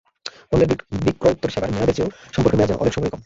পণ্যের বিক্রয়োত্তর সেবার মেয়াদের চেয়েও সম্পর্কের মেয়াদ যেন অনেক সময়ই কম।